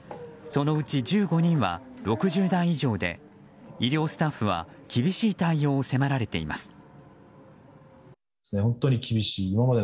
そのうち１５人は６０代以上で医療スタッフは厳しい対応を迫られています。